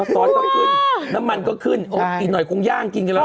ซอสต้องขึ้นน้ำมันก็ขึ้นอีกหน่อยคงย่างกินกันแล้วล่ะ